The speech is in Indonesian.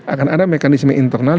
akan ada mekanisme internal